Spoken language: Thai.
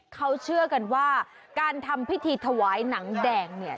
เขาเชื่อกันว่าการทำพิธีถวายหนังแดงเนี่ย